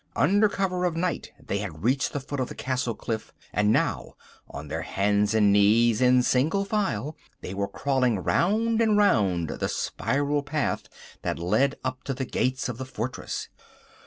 Under cover of night they had reached the foot of the castle cliff; and now, on their hands and knees in single file, they were crawling round and round the spiral path that led up to the gate of the fortress.